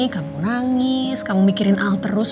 kamu nangis kamu mikirin aldebaran terus